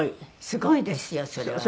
すごいですよそれは。